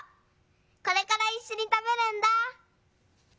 これからいっしょにたべるんだ」。